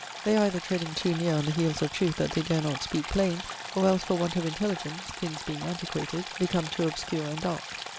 they either treading too neer on the heeles of trueth that they dare not speake plaine, or els for want of intelligence (things being antiquated) become too obscure and darke!